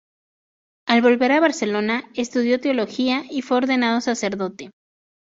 Al volver a Barcelona, estudió Teología y fue ordenado sacerdote.